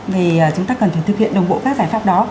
thì chúng ta cần phải thực hiện đồng bộ các giải pháp đó